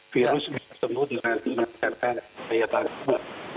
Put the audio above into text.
virus bisa sembuh dengan dinyatakan karyatasi